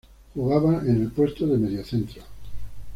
Jugaba en el puesto de mediocentro.